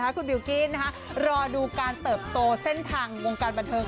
แค่อยากเก็บเธอเอาไว้ในมันแม่ง